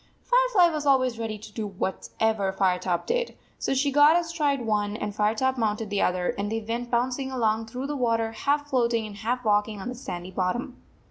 Firefly was always ready to do whatever Firetop did, so she got astride one, and Firetop mounted the other, and they went bouncing along through the water, half float ing and half walking on the sandy bottom.